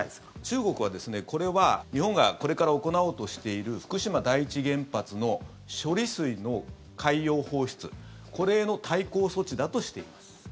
中国は、これは日本がこれから行おうとしている福島第一原発の処理水の海洋放出これへの対抗措置だとしています。